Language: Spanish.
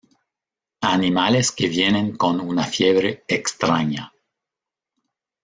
Animales que vienen con una fiebre extraña.